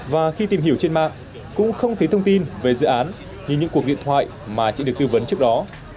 và khi tìm hiểu trên mạng cũng không thấy thông tin về dự án như những cuộc điện thoại mà chị được tư vấn trước đó